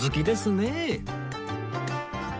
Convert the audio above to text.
ねえ。